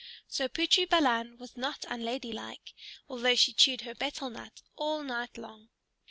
So Putri Balan was not unladylike, although she chewed her betel nut all night long.